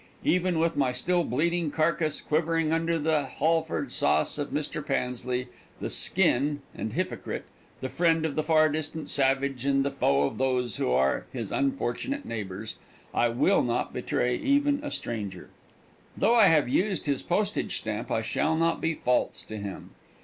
Even with my still bleeding carcass quivering under the Halford sauce of Mr. Pansley, the "skin" and hypocrite, the friend of the far distant savage and the foe of those who are his unfortunate neighbors, I will not betray even a stranger. Though I have used his postage stamp I shall not be false to him.